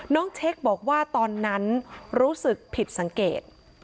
เช็คบอกว่าตอนนั้นรู้สึกผิดสังเกต